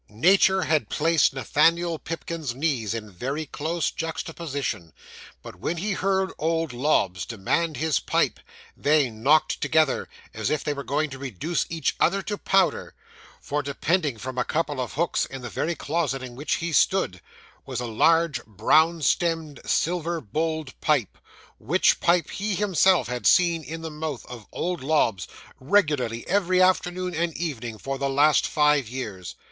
'Nature had placed Nathaniel Pipkin's knees in very close juxtaposition, but when he heard old Lobbs demand his pipe, they knocked together, as if they were going to reduce each other to powder; for, depending from a couple of hooks, in the very closet in which he stood, was a large, brown stemmed, silver bowled pipe, which pipe he himself had seen in the mouth of old Lobbs, regularly every afternoon and evening, for the last five years.